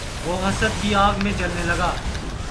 وہ حسد کی آگ میں جلنے لگا